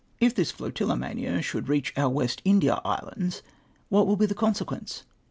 If this flotilla mania should reach our West India Islands, what will be the conseciuence ?